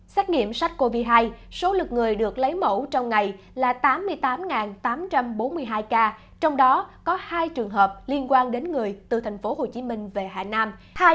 xét nghiệm sars cov hai số lượt người được lấy mẫu trong ngày là tám mươi tám tám trăm bốn mươi hai ca trong đó có hai trường hợp liên quan đến người từ thành phố hồ chí minh về hà nam